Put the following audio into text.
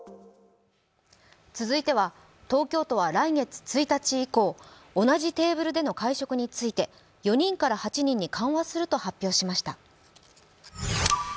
続いては、東京都は来月１日以降同じテーブルでの会食について、４人から８人に緩和すると発表しました。